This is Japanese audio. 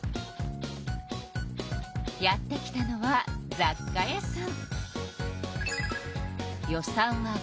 やって来たのはざっ貨屋さん。